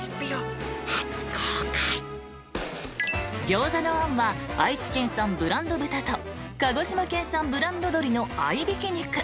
［ギョウザのあんは愛知県産ブランド豚と鹿児島県産ブランド鶏の合いびき肉］